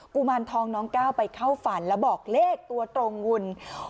ุมารทองน้องก้าวไปเข้าฝันแล้วบอกเลขตัวตรงคุณ